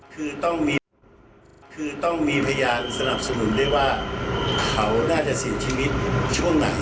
คือต้องมีพยานสนับสนุนได้ว่าเขาน่าจะเสียชีวิตช่วงไหน